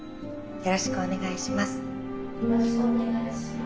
よろしくお願いします。